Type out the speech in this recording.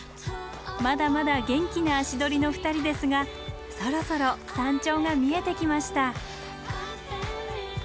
まだまだ元気な足取りの２人ですがそろそろ山頂が見えてきました。